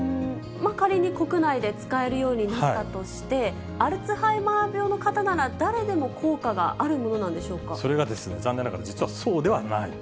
仮に国内で使えるようになったとして、アルツハイマー病の方なら、誰でも効果があるものなんそれが残念ながら、実はそうではないと。